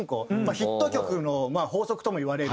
ヒット曲の法則ともいわれる。